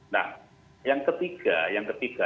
nah yang ketiga